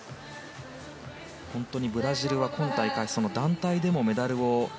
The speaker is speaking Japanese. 本当にブラジルは今大会、団体でもメダルを。